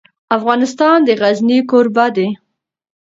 افغانستان د غزني کوربه دی.